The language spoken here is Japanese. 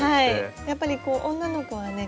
やっぱり女の子はね